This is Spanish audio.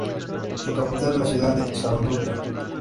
Su capital es la ciudad de Saarbrücken.